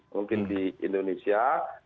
mungkin di indonesia